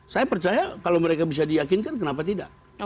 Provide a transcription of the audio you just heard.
saya percaya kalau mereka bisa diyakinkan kenapa tidak